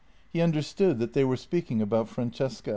He understood that they were speaking about Francesca.